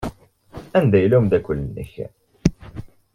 Anda yella umeddakel-nnek?